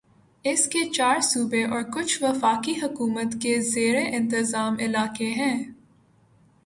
اس کے چار صوبے اور کچھ وفاقی حکومت کے زیر انتظام علاقے ہیں